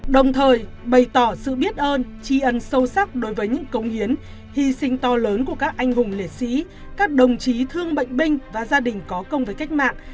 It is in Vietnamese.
đồng thời bày tỏ sự biết ơn tri ân sâu sắc đối với những cống hiến hy sinh to lớn của các anh hùng liệt sĩ các đồng chí thương bệnh binh và gia đình có công với cách mạng